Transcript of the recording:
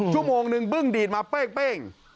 ชั่วโมงนึงบึ้งดีดมาเป้ง